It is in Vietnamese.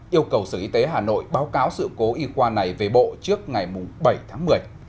yêu cầu sở y tế hà nội báo cáo sự cố y khoa này về bộ trước ngày bảy tháng một mươi